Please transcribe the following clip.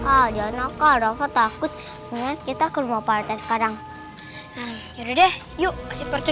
ada nakal rafa takut dengan kita ke rumah partai sekarang yuk yuk yuk yuk